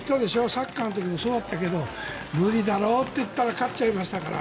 サッカーの時もそうだったけど無理だろうって言ったら勝っちゃいましたから。